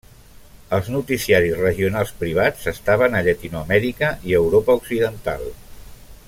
Els noticiaris regionals privats estaven a Llatinoamèrica i Europa occidental.